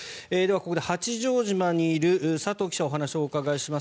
ここで八丈島にいる佐藤記者にお話をお伺いします。